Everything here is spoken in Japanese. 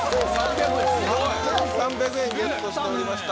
８３００円ゲットしておりました。